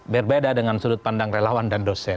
berbeda dengan sudut pandang relawan dan dosen